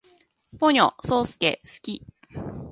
ポニョ，そーすけ，好き